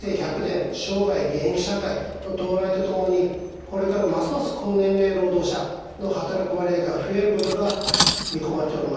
生涯現役社会の到来とともにこれからますます高年齢労働者の働く割合が増えることが見込まれております。